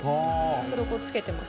それをつけてます。